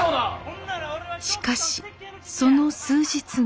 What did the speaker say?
しかしその数日後。